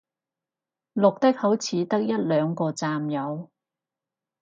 綠的好似得一兩個站有